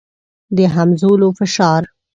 د همځولو فشار.